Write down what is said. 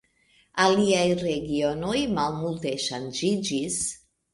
Aliaj regionoj malmulte ŝanĝiĝis.